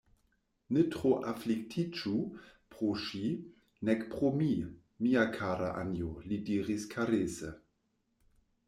Ne tro afliktiĝu pro ŝi, nek pro mi, mia kara Anjo, li diris karese.